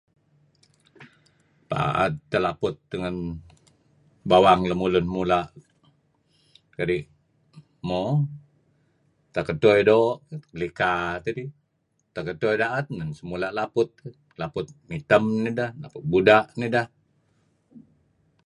Paad teh laput iih ngen... bawang lemulun mula'. Kadi'... mo, tak eto iih doo' , pelika nidih. Tak edto iih da'et, mula' laput. Laput mitem nideh. laput buda' nideh.